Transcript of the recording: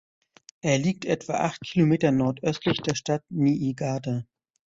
Er liegt etwa acht Kilometer nordöstlich der Stadt Niigata.